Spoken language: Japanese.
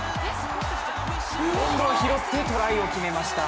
今度は拾って、トライを決めました